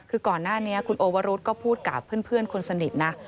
คือก่อนหน้านี้คุณโอวรุธก็พูดกับเพื่อนคนสนิทนะ